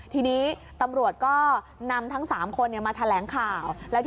ทีนี้ตำรวจก็นำทั้ง๓คนมาแถลงข่าว